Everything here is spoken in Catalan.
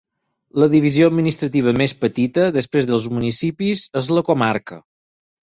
La divisió administrativa més petita, després dels municipis, és la comarca.